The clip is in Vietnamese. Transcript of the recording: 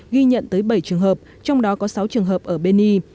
ghi nhận tới bảy trường hợp trong đó có sáu trường hợp ở beni